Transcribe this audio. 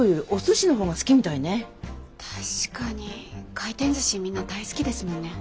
回転寿司みんな大好きですもんね。